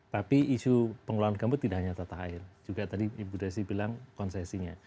tapi isu pengelolaan gambut tidak hanya tata air juga tadi ibu desi bilang konsesinya